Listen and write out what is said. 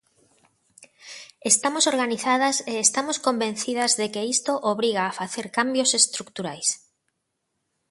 Estamos organizadas e estamos convencidas de que isto obriga a facer cambios estruturais.